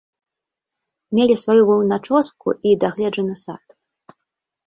Мелі сваю ваўначоску і дагледжаны сад.